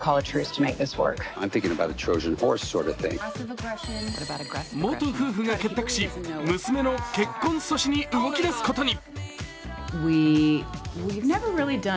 娘が心配な２人は元夫婦が結託し、娘の結婚阻止に動き出すことに。